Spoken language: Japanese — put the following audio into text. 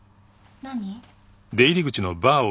何？